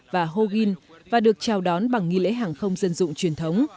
và hogin và được chào đón bằng nghi lễ hàng không dân dụng truyền thống